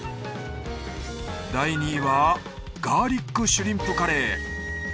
第２位はガーリックシュリンプカレー。